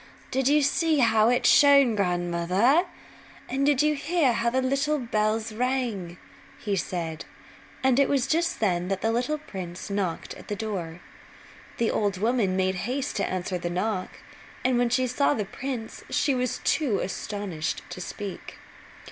"Did you see how it shone, grandmother? And did you hear how the little bells rang?" he said; and it was just then that the little prince knocked at the door. The old woman made haste to answer the knock and when she saw the prince she was too astonished to speak.